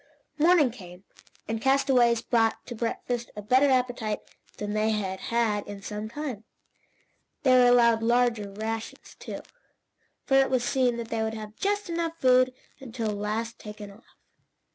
Morning came, and castaways brought to breakfast a better appetite than they had had in some time. They were allowed larger rations, too, for it was seen that they would have just enough food to last until taken off.